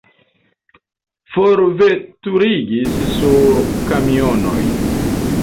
Forveturigis sur kamionoj.